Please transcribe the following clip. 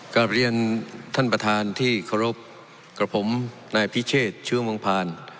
กลับเรียนท่านประธานที่เคารพกับผมนายพิเชษเชื้อเมืองผ่าน